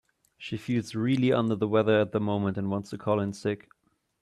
She feels really under the weather at the moment and wants to call in sick.